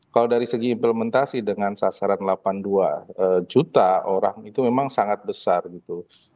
kalau dari segi implementasi dengan sasaran delapan puluh dua juta orang itu memang sangat besar gitu